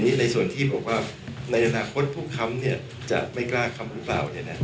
ในส่วนที่บอกว่าในอนาคตผู้ค้ำจะไม่กล้าค้ำหรือเปล่า